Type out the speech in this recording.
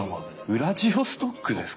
ウラジオストックですか！？